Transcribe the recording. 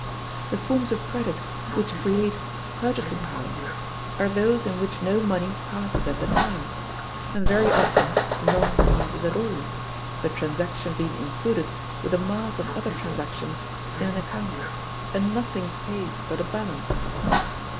The forms of credit which create purchasing power are those in which no money passes at the time, and very often none passes at all, the transaction being included with a mass of other transactions in an account, and nothing paid but a balance.